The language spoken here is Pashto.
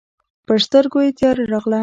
پر سترګو یې تياره راغله.